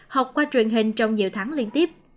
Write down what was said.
học qua truyền hình trong nhiều tháng liên tiếp